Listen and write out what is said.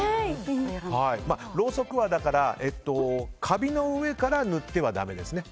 ろうそくはカビの上から塗ってはだめですね。